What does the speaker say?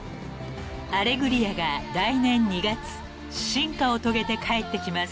［『アレグリア』が来年２月進化を遂げて帰ってきます］